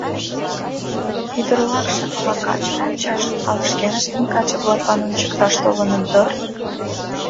— Ӱдырлакше ала качым ончаш, ала шкеныштым каче-влаклан ончыкташ толыныт дыр?